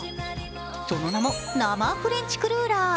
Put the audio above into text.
その名も、生フレンチクルーラー。